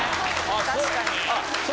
確かに。